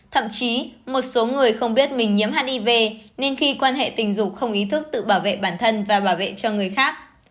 thậm chí một số người không biết mình nhiễm hiv nên khi quan hệ tình dục không ý thức tự bảo vệ bản thân và bảo vệ cho người khác